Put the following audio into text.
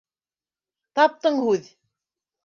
— Таптың һүҙ.